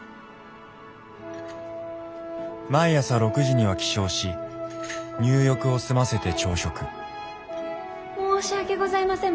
毎朝６時には起床し入浴を済ませて朝食・申し訳ございません。